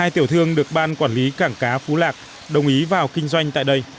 một hai tiểu thương được ban quản lý cảng cá phú lạc đồng ý vào kinh doanh tại đây